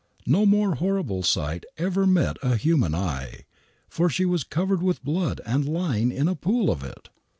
No more horrible sight ever met a human eye, for she was covered with blood and lying in a pool of it.